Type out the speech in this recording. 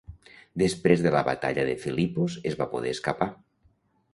Després de la batalla de Filipos es va poder escapar.